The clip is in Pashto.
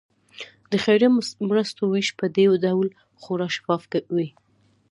د خیریه مرستو ویش په دې ډول خورا شفاف وي.